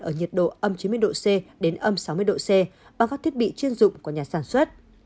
ở nhiệt độ âm chín mươi độ c đến âm sáu mươi độ c bằng các thiết bị chuyên dụng của nhà sản xuất